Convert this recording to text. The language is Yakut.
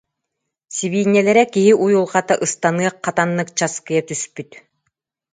Сибиинньэлэрэ киһи уйулҕата ыстаныах хатаннык час- кыйа түспүт